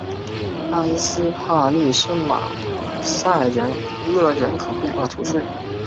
埃斯帕利圣马塞勒人口变化图示